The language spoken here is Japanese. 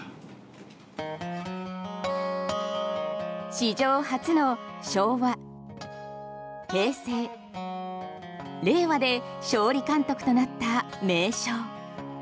史上初の昭和、平成、令和で勝利監督となった名将。